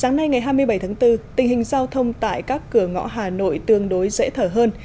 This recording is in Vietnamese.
giao thông tại các cửa ngõ hà nội tương đối dễ thở hơn